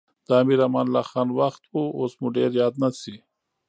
د امیر امان الله خان وخت و اوس مو ډېر یاد نه شي.